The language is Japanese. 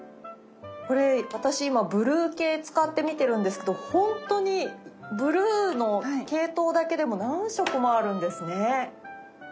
これ私今ブルー系使ってみてるんですけどほんとにブルーの系統だけでも何色もあるんですね。